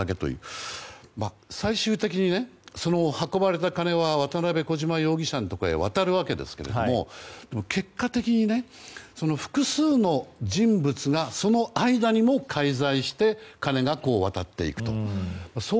最終的に運ばれた金は渡邉、小島容疑者のところへ渡るわけですが結果的に複数の人物がその間にも介在して金が渡っていくという。